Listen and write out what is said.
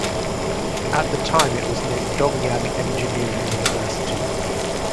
At the time it was named Dongyang Engineering University.